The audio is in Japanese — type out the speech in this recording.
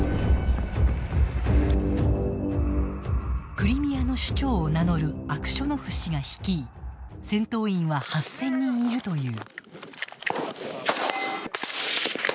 クリミアの首長を名乗るアクショノフ氏が率い戦闘員は、８０００人いるという。